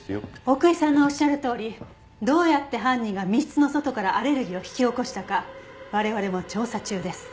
奥居さんのおっしゃるとおりどうやって犯人が密室の外からアレルギーを引き起こしたか我々も調査中です。